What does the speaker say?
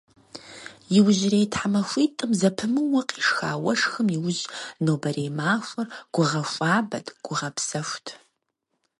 Иужьрей тхьэмахуитӏым зэпымыууэ къешха уэшхым иужь, нобэрей махуэр гугъэхуабэт, гугъэпсэхут.